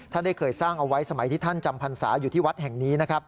ได้เคยสร้างเอาไว้สมัยที่ท่านจำพรรษาอยู่ที่วัดแห่งนี้นะครับ